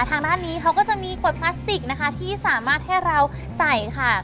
ทางด้านนี้เขาก็จะมีขวดพลาสติกนะคะที่สามารถให้เราใส่ค่ะ